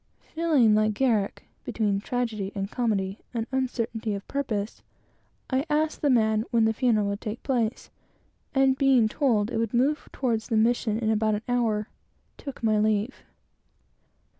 Feeling, like Garrick, between tragedy and comedy, an uncertainty of purpose and a little awkwardness, I asked the man when the funeral would take place, and being told that it would move toward the mission in about an hour, took my leave.